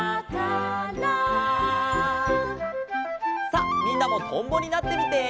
さっみんなもとんぼになってみて。